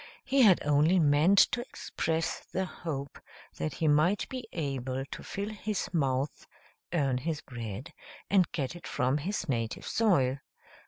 He had only meant to express the hope that he might be able to fill his mouth earn his bread, and get it from his native soil.